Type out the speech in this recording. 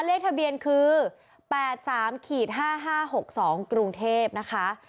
เลขทะเบียนคือ๘๓๕๕๖๒กรุงเทพนะคะ